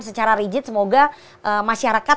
secara rigid semoga masyarakat